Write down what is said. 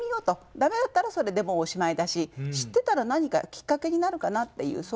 ダメだったらそれでもうおしまいだし知ってたら何かきっかけになるかなっていうそういう感じでした。